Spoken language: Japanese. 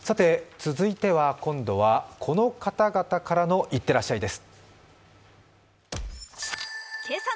続いては今度はこの方々からの「いってらっしゃい」です。